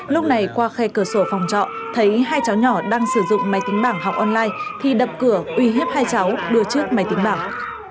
lúc này qua khe cửa sổ phòng trọ thấy hai cháu nhỏ đang sử dụng máy tính bảng học online thì đập cửa uy hiếp hai cháu đưa trước máy tính bảng